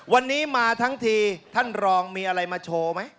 วันนี้มาทั้งทีท่านรองมีอะไรมาโชว์ไหม